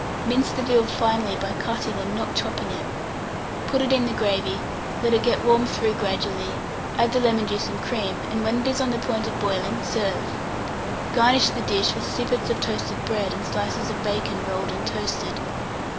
Mince the veal finely by cutting, and not chopping it; put it in the gravy; let it get warmed through gradually; add the lemon juice and cream, and, when it is on the point of boiling, serve. Garnish the dish with sippets of toasted bread and slices of bacon rolled and toasted.